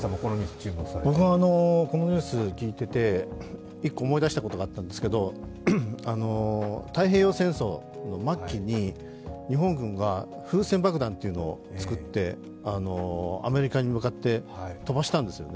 このニュースを聞いていて１個思い出したことがあったんですけど、太平洋戦争の末期に日本軍が風船爆弾というのを作ってアメリカに向かって飛ばしたんですよね。